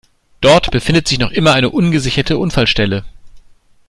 Dort befindet sich noch immer eine ungesicherte Unfallstelle.